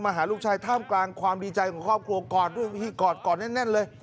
หาลูกชายท่ามกลางความดีใจของครอบครัวกอดด้วยวิธีกอดกอดแน่นเลย